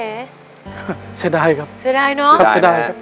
เสียดายครับเสียดายครับเสียดายครับเสียดายครับ